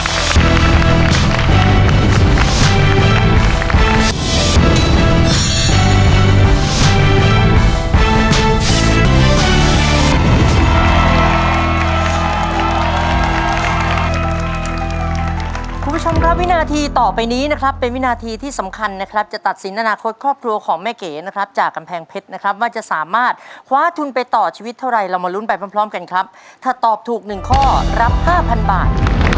คุณผู้ชมครับวินาทีต่อไปนี้นะครับเป็นวินาทีที่สำคัญนะครับจะตัดสินอนาคตครอบครัวของแม่เก๋นะครับจากกำแพงเพชรนะครับว่าจะสามารถคว้าทุนไปต่อชีวิตเท่าไรเรามาลุ้นไปพร้อมกันครับถ้าตอบถูกหนึ่งข้อรับ๕๐๐บาท